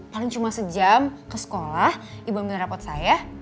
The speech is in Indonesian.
paling cuma sejam ke sekolah ibu minta rapot saya